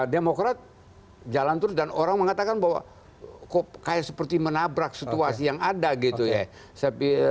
demokrat jalan terus dan orang mengatakan bahwa kok kayak seperti menabrak situasi yang ada gitu ya